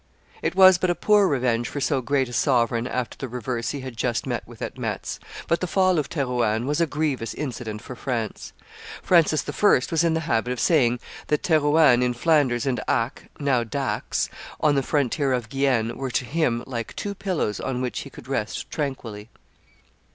It was but a poor revenge for so great a sovereign after the reverse he had just met with at Metz; but the fall of Therouanne was a grievous incident for France. Francis I. was in the habit of saying that Therouanne in Flanders and Acqs (now Dax) on the frontier of Guienne were, to him, like two pillows on which he could rest tranquilly.